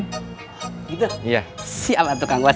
gitu siap lah tukang bos